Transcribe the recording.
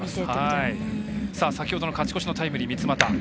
先ほどの勝ち越しのタイムリー三ツ俣。